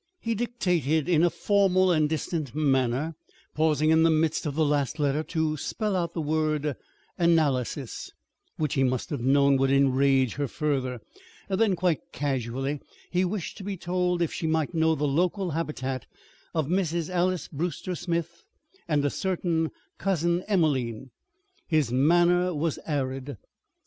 He dictated in a formal and distant manner, pausing in the midst of the last letter to spell out the word "analysis," which he must have known would enrage her further. Then, quite casually, he wished to be told if she might know the local habitat of Mrs. Alys Brewster Smith and a certain Cousin Emelene. His manner was arid.